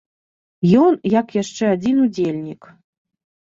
Ён, як яшчэ адзін удзельнік.